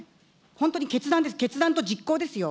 本当に決断です、決断と実行ですよ。